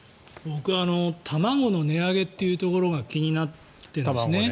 僕は卵の値上げというところが気になってるんです。